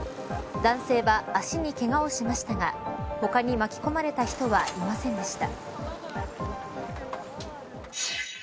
男性は、足にけがをしましたが他に巻き込まれた人はいませんでした。